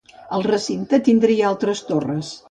El recinte tindria altres torres.